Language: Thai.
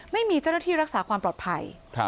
ไม่มีเจ้าหน้าที่รักษาความปลอดภัย